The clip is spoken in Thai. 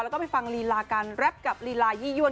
แล้วก็ไปฟังลีลาการแรปกับลีลายี่ยวน